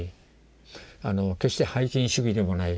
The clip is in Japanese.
決して拝金主義でもない。